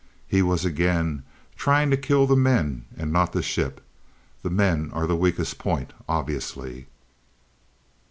He was again, trying to kill the men, and not the ship. The men are the weakest point, obviously."